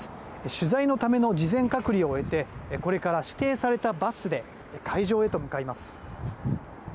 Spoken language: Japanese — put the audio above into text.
取材のための事前隔離を終えてこれから指定されたバスで会場へと向かいます。